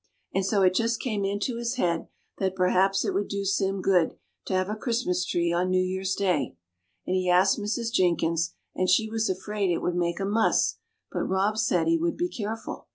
And so it just came into his head that perhaps it would do Sim good to have a Christmas tree on New Year's Day; and he asked Mrs. Jenkins, and she was afraid it would make a muss, but Rob said he would be careful.